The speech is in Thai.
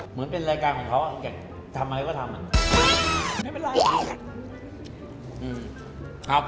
เหมือนเป็นรายการของเขาอยากทำอะไรก็ทำอ่ะไม่เป็นไร